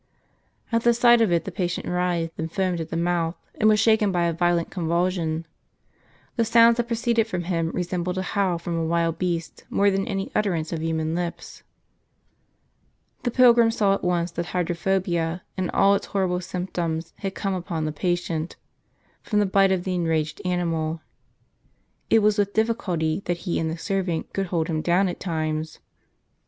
At the sight of it, the patient writhed and foamed at the mouth, and was shaken by a violent convulsion. The sounds that proceeded from him, resembled a howl from a wild beast, more than any utterance of human lips. The pilgrim saw at once that hydrophobia, with all its horrible symptoms, had come upon the patient, from the bite of the enraged animal. It was with difficulty that he and the servant could hold him down at times.